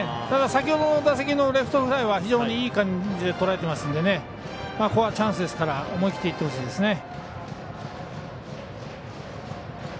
ただ先ほどの打席のレフトフライは非常にいい感じでとらえてますのでここはチャンスですから思い切っていってほしいです。